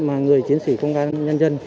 mà người chiến sĩ công an nhân dân